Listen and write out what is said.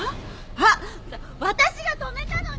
あっ私が止めたのに！